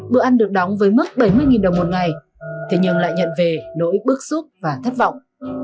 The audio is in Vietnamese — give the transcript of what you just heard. bữa ăn được đóng với mức bảy mươi đồng một ngày thế nhưng lại nhận về nỗi bức xúc và thất vọng